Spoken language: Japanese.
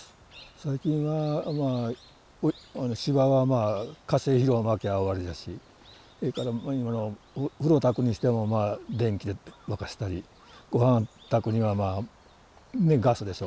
最近はしばはまあ化成肥料をまきゃ終わりだしそれから風呂をたくにしても電気で沸かしたりごはん炊くにはまあガスでしょ？